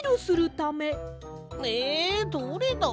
えどれだ？